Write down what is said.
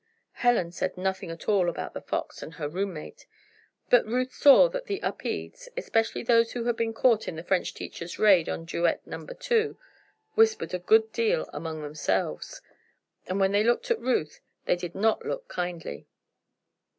Helen said nothing at all about The Fox and her room mate. But Ruth saw that the Upedes especially those who had been caught in the French teacher's raid on Duet Number 2 whispered a good deal among themselves, and when they looked at Ruth they did not look kindly.